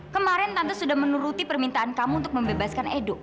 kemarin tante sudah menuruti permintaan kamu untuk membebaskan edo